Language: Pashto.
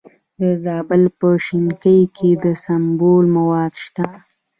د زابل په شنکۍ کې د سمنټو مواد شته.